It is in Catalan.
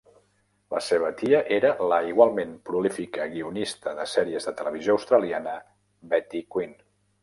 La seva tia era la igualment prolífica guionista de sèries de televisió australiana, Betty Quin.